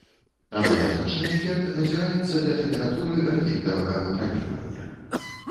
Аналагічны эфект назіраецца для тэмпературы рэліктавага выпраменьвання.